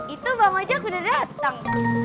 itu bang ojak udah dateng